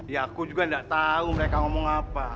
ya aku juga tidak tahu mereka ngomong apa